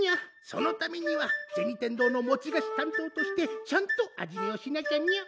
そのためには銭天堂のもち菓子担当としてちゃんと味見をしなきゃにゃ。